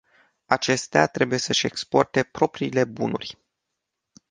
Acestea trebuie să își exporte propriile bunuri.